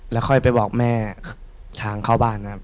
แล้วค่อยไปบอกแม่ทางเข้าบ้านครับ